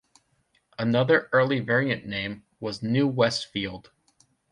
Another early variant name was New Westfield.